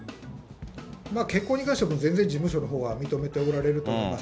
結婚に関してはもう全然事務所のほうは認めておられると思います。